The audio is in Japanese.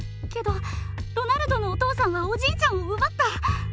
けどロナルドのお父さんはおじいちゃんを奪った。